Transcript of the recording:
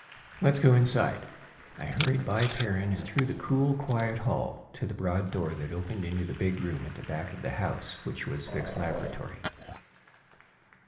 "Let's go inside!" I hurried by Perrin and through the cool, quiet hall to the broad door that opened into the big room at the back of the house, which was Vic's laboratory.